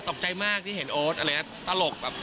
ตกใจมากที่เห็นโอ๊ตอะไรอย่างนี้ตลกแบบ